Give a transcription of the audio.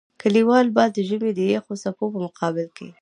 کلیوالو به د ژمي د يخو څپو په مقابل کې.